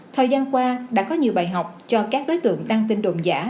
thời gian qua đã có nhiều bài học cho các đối tượng đăng tin đồn giả